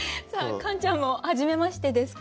カンちゃんもはじめましてですか？